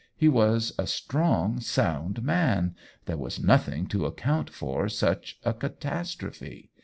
He was a strong, sound man — there was nothing to account for such a catastrophe.